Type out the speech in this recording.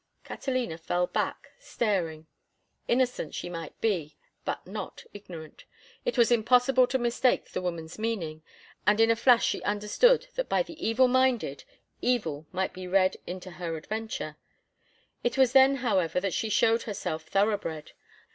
Catalina fell back, staring. Innocent she might be but not ignorant. It was impossible to mistake the woman's meaning, and in a flash she understood that by the evil minded evil might be read into her adventure. It was then, however, that she showed herself thoroughbred.